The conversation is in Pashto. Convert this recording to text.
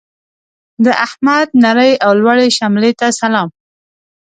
د احمد نرې او لوړې شملې ته سلام.